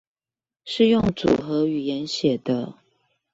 是用組合語言寫的